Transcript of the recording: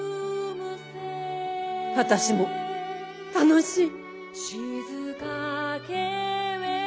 私も楽しい！